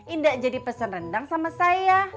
indah jadi pesan rendang sama saya